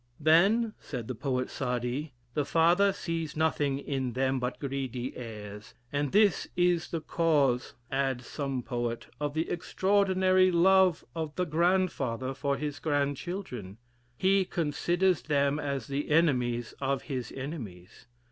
'Then,' said the poet Saadi, 'the father sees nothing in them but greedy heirs,' and this is the cause, adds some poet, of the extraordinary love of the grandfather for his grandchildren; he considers them as the enemies of his enemies.